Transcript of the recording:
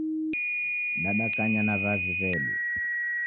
Dadakanya na w'avi w'edu.